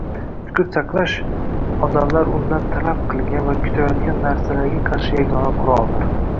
Sukut saqlash – odamlar undan talab qilgan va kutgan narsalarga qarshi yagona qurolidir.